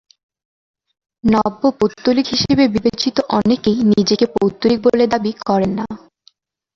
নব্য পৌত্তলিক হিসেবে বিবেচিত অনেকেই নিজেকে পৌত্তলিক বলে দাবি করেন না।